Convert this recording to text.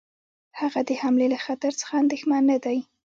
هغه د حملې له خطر څخه اندېښمن نه دی.